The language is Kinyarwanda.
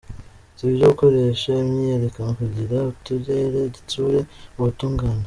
Sivyo gukoresha imyiyerekano kugira utere igitsure ubutungane.